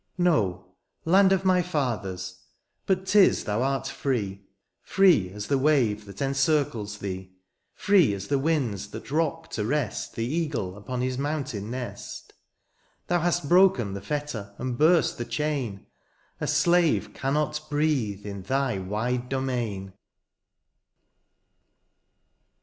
No ! land of my fathers ! but ^tis thou art free ; Free as the wave that encircles thee ; Free as the winds that rock to rest The eagle upon his mountain nest ; Thou hast broken the fetter, and burst the chain ; A slave cannot breathe in thy wide domain